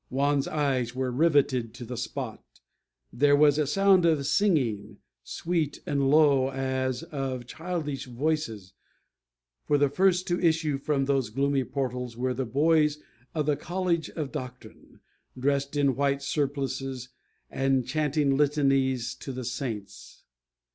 Juan's eyes were rivetted to the spot. There was a sound of singing, sweet and low, as of childish voices; for the first to issue from those gloomy portals were the boys of the College of Doctrine, dressed in white surplices, and chanting litanies to the saints.